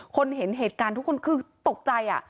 เห็นเหตุการณ์ทุกคนคือตกใจ